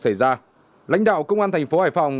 xảy ra lãnh đạo công an tp hải phòng